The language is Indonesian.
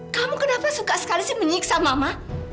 kamu kenapa suka sekali sih menyiksa mama